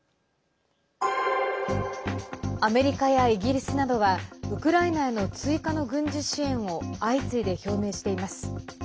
アメリカやイギリスなどはウクライナへの追加の軍事支援を相次いで表明しています。